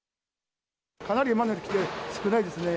かなり今にきて少ないですね。